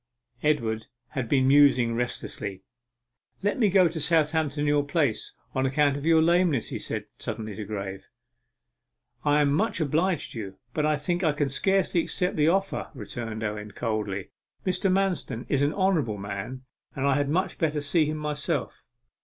Edward had been musing restlessly. 'Let me go to Southampton in your place, on account of your lameness?' he said suddenly to Graye. 'I am much obliged to you, but I think I can scarcely accept the offer,' returned Owen coldly. 'Mr. Manston is an honourable man, and I had much better see him myself.